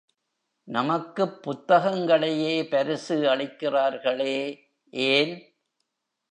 நமக்குப் புத்தகங்களையே பரிசு அளிக்கிறார்களே, ஏன்?